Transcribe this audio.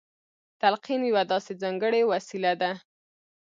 تلقين يوه داسې ځانګړې وسيله ده.